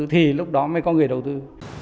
thì lúc đó mới có người đầu tư